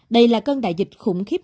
đây là cơn đại dịch khủng khiếp